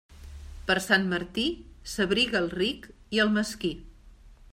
Per Sant Martí, s'abriga el ric i el mesquí.